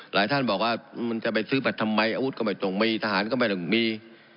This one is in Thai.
ท่านบอกว่ามันจะไปซื้อบัตรทำไมอาวุธก็ไม่ตรงมีทหารก็ไม่ต้องมี